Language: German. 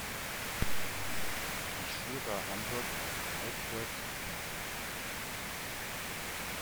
Die Schura Hamburg hat drei Vorsitzende.